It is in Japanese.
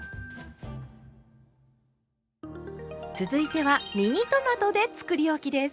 続いてはミニトマトでつくりおきです。